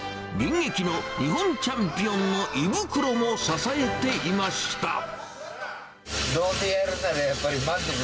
現役の日本チャンピオンの胃袋をも支えていました。